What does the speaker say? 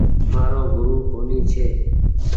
مآرو گورو ڪونيٚ ڇي۔